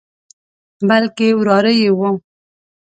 بلکې وراره یې وو.